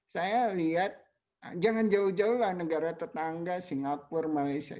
saya lihat jangan jauh jauh lah negara tetangga singapura malaysia